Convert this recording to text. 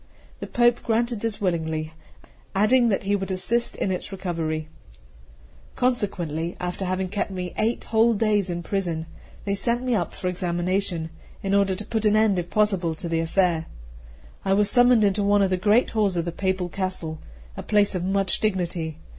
The Pope granted this willingly, adding that he would assist in its recovery. Consequently, after having kept me eight whole days in prison, they sent me up for examination, in order to put an end if possible to the affair. I was summoned into one of the great halls of the papal castle, a place of much dignity.